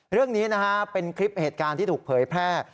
เรื่องนี้นะฮะเป็นคลิปเหตุการณ์ที่ถูกเผยแพร่